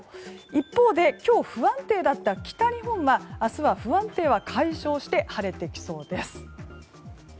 一方で今日不安定だった北日本は明日は不安定は解消して晴れてきそうです。